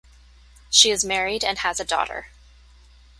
She is married and has a daughter.